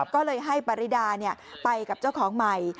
ก็เลยให้ปริดาไปกับเจ้าของใหม่